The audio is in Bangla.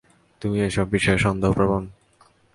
তুমি এসব বিষয়ে সন্দেহপ্রবণ?